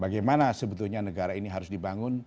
bagaimana sebetulnya negara ini harus dibangun